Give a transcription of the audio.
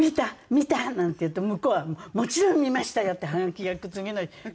見た？」なんていって向こうは「もちろん見ましたよ！」ってはがきが次の日来るの。